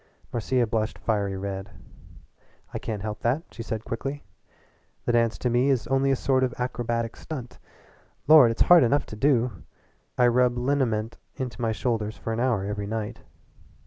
Marcia blushed fiery red. "I can't help that," she said quickly. "The dance to me is only a sort of acrobatic stunt. Lord, it's hard enough to do! I rub liniment into my shoulders for an hour every night."